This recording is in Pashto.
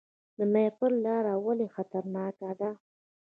د ماهیپر لاره ولې خطرناکه ده؟